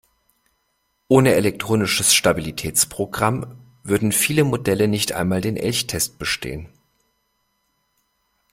Ohne Elektronisches Stabilitätsprogramm würden viele Modelle nicht einmal den Elchtest bestehen.